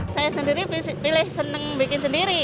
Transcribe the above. saya sendiri pilih seneng bikin sendiri